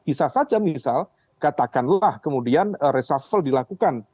bisa saja misal katakanlah kemudian reshuffle dilakukan